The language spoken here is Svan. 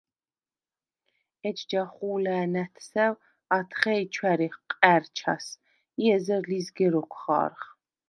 ეჯ ჯახუ̄ლა̈ ნა̈თსა̈ვ ათხე̄ჲ ჩვა̈რიხ ყა̈რჩას ი ეზერ ლიზგე როქვ ხა̄რხ.